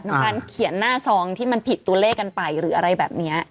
ของการเขียนหน้าซองที่มันผิดตัวเลขกันไปหรืออะไรแบบนี้